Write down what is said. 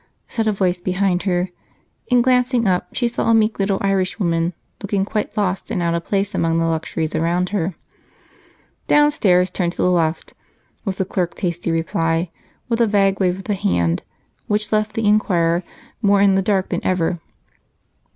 said a voice behind her, and, glancing up, she saw a meek little Irishwoman looking quite lost and out of place among the luxuries around her. "Downstairs, turn to the left," was the clerk's hasty reply, with a vague wave of the hand which left the inquirer more in the dark than ever.